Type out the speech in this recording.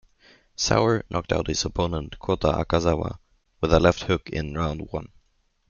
Souwer knocked out his opponent, Kota Okazawa, with a left hook in round one.